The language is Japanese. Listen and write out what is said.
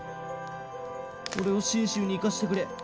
俺を信州に行かせてくれ。